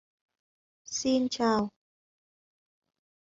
xin chào